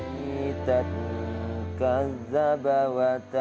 minta tuhan yang menjaga kita